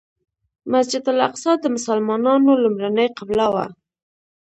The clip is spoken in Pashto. مسجد الاقصی د مسلمانانو لومړنۍ قبله وه.